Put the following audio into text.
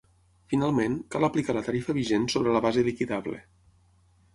Finalment, cal aplicar la tarifa vigent sobre la base liquidable.